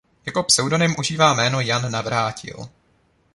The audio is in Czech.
Jako pseudonym užívá jméno Jan Navrátil.